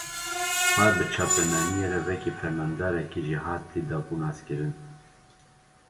Xwe, bi çapemeniyê re wekî fermandarekî jêhatî, dabû naskirin